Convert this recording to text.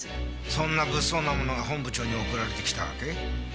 そんな物騒なものが本部長に送られてきたわけ？